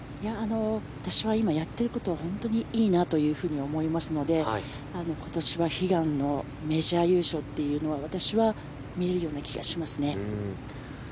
私は今、やっていることは本当にいいなというふうに思いますので今年は悲願のメジャー優勝というのは私は見れるような気がしますね。